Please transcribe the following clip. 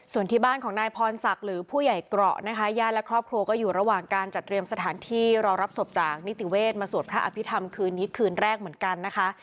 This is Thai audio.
ส่วนที่บ้านของนายพรศักดิ์หรือผู้ใหญ่เกราะนะคะญาติและครอบครัวก็อยู่ระหว่างการจัดเตรียมสถานที่รอรับศพจากนิติเวศมาสวดพระอภิษฐรรมคืนนี้คืนแรกเหมือนกันนะคะ